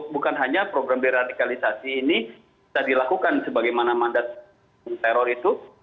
bukan hanya program deradikalisasi ini bisa dilakukan sebagaimana mandat teror itu